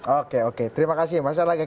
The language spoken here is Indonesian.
oke oke terima kasih mas erlangga